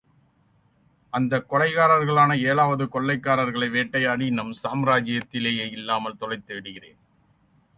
அந்தக் கொலைகாரர்களான ஏழாவது கொள்கைக்காரர்களை வேட்டையாடி, நம் சாம்ராஜ்யத்திலேயே இல்லாமல் தொலைத்து விடுகிறேன்.